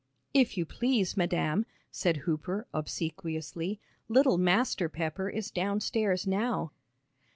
"If you please, madam," said Hooper, obsequiously, "little Master Pepper is downstairs now."